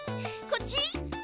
こっち？」